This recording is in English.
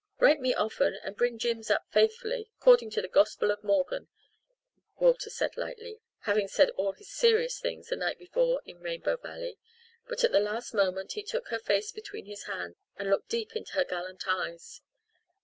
"Write me often and bring Jims up faithfully, according to the gospel of Morgan," Walter said lightly, having said all his serious things the night before in Rainbow Valley. But at the last moment he took her face between his hands and looked deep into her gallant eyes.